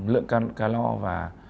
lượng calo và